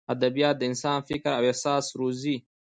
ادبیات د انسان فکر او احساس روزي.